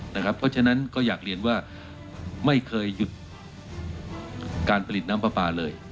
เพราะฉะนั้นก็อยากเรียนว่าไม่เคยหยุดการผลิตน้ำปลาปลาเลย